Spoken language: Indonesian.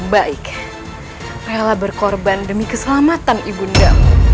sampai jumpa di video selanjutnya